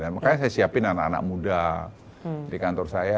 makanya saya siapin anak anak muda di kantor saya